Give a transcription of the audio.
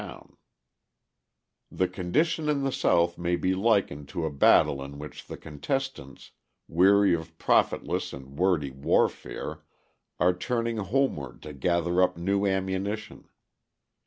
] The condition in the South may be likened to a battle in which the contestants, weary of profitless and wordy warfare, are turning homeward to gather up new ammunition.